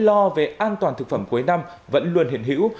các vụ việc hàng hóa không đảm bảo vệ an toàn thực phẩm cuối năm vẫn luôn hiển hữu